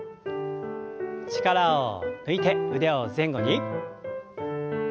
力を抜いて腕を前後に。